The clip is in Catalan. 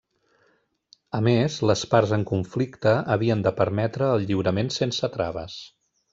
A més, les parts en conflicte havien de permetre el lliurament sense traves.